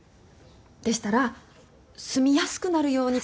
でしたら住みやすくなるように。